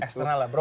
eksternal lah bro